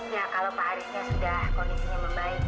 ya kalau pak arisnya sudah kondisinya membaik